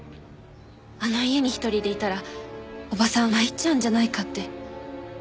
あの家に一人でいたら伯母さん参っちゃうんじゃないかって。